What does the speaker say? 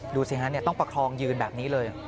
ดูเสียงนั้นเนี่ยต้องประคองยืนแบบนี้เลย